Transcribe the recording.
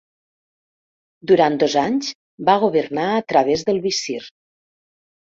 Durant dos anys va governar a través del visir.